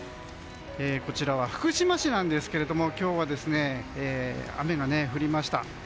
こちらは福島市ですが今日は雨が降りました。